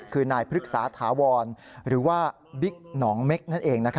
คือนายพฤกษาถาวรหรือว่าบิ๊กหนองเม็กนั่นเอง